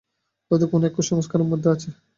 হয়তো কোনো এক কুসংস্কার তাদের মধ্যেও আছে।